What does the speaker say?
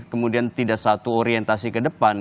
kemudian tidak satu orientasi ke depan